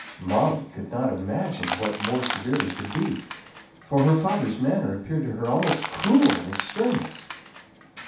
"] Molly could not imagine what "more severely" could be, for her father's manner appeared to her almost cruel in its sternness.